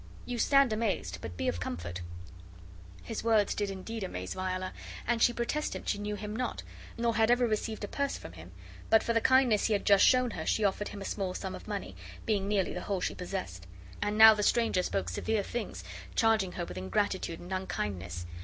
You stand amazed, but be of comfort." His words did indeed amaze Viola, and she protested she knew him not, nor had ever received a purse from him; but for the kindness he had just shown her she offered him a small sum of money, being nearly the whole she possessed. And now the stranger spoke severe things, charging her with ingratitude and unkindness.